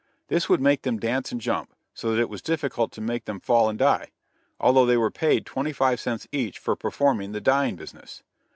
This would make them dance and jump, so that it was difficult to make them fall and die although they were paid twenty five cents each for performing the "dying business."